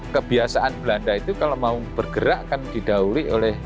kebiasaan belanda itu kalau mau bergerak kan didahului oleh